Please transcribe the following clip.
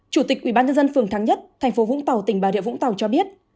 chủ tịch ubnd phường thắng nhất tp hcm tỉnh bà rịa vũng tàu cho biết